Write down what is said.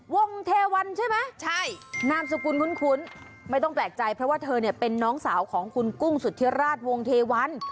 วงเทวันใช่ไหมใช่นามสกุลคุ้นไม่ต้องแปลกใจเพราะว่าเธอเนี่ยเป็นน้องสาวของคุณกุ้งสุธิราชวงเทวัน